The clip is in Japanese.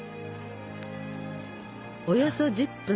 およそ１０分。